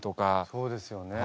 そうですよね。